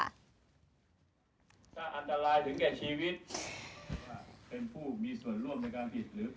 ถ้าอันตรายถึงแก่ชีวิตถ้าเป็นผู้มีส่วนร่วมในการผิดหรือ